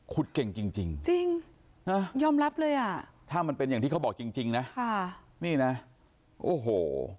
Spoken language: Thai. ขุดเก่งจริงนะฮะถ้ามันเป็นอย่างที่เขาบอกจริงนะนี่นะโอ้โห